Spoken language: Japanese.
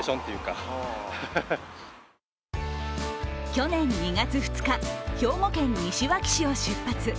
去年２月２日、兵庫県西脇市を出発。